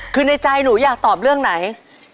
คือในใจหนูอยากตอบเรื่องไหน